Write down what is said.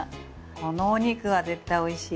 このお肉は絶対おいしい。